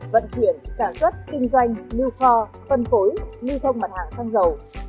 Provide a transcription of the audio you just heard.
vận chuyển sản xuất kinh doanh lưu kho phân phối lưu thông mặt hàng xăng dầu